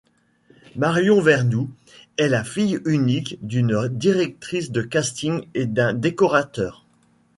Marion Vernoux est la fille unique d’une directrice de casting et d’un décorateur.